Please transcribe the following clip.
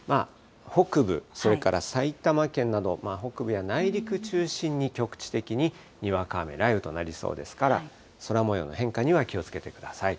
北部、それから埼玉県など、北部や内陸中心に局地的ににわか雨、雷雨となりそうですから、空もようの変化には気をつけてください。